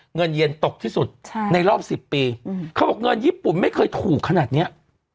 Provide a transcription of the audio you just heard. เงินเย็นตกที่สุดในรอบ๑๐ปีเขาบอกเงินญี่ปุ่นไม่เคยถูกขนาดเนี้ย